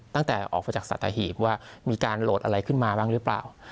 ตั้งแต่ออกไปจากสัตหีบว่ามีการโหลดอะไรขึ้นมาบ้างหรือเปล่า